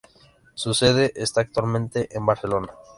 Su sede está actualmente en Barcelona.